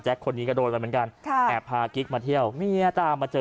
คนนี้ก็โดนไปเหมือนกันค่ะแอบพากิ๊กมาเที่ยวเมียตามมาเจอ